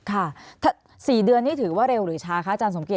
๔เดือนนี่ถือว่าเร็วหรือช้าคะอาจารย์สมเกียจ